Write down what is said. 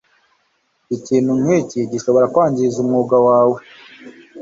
Ikintu nkiki gishobora kwangiza umwuga wawe.